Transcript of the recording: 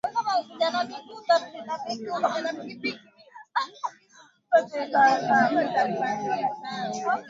Kila muntu niwa maana kwabo na kubengine